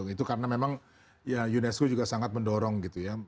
itu karena memang ya unesco juga sangat mendorong gitu ya